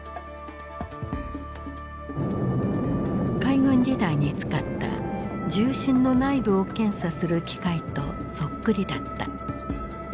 海軍時代に使った銃身の内部を検査する機械とそっくりだった。